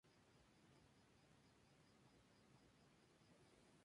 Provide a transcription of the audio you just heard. La iglesia esta bajo la responsabilidad pastoral del obispo Edgardo Cedeño Muñoz.